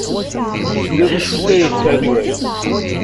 Telliḍ tesskayeḍ-d Saɛid Waɛli.